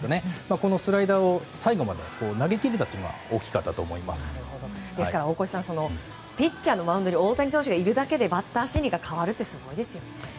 このスライダーを最後まで投げ切れたのは大越さんマウンドに大谷選手がいるだけでバッター心理が変わるってすごいですね。